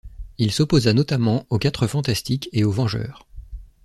Il s'opposa notamment aux Quatre Fantastiques et aux Vengeurs.